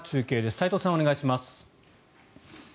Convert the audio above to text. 齋藤さん、お願いします。